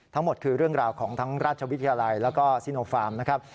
ทั้งหมดคือเรื่องราวของทั้งราชวิทยาลัยแล้วก็ซิโนฟาร์มนะครับ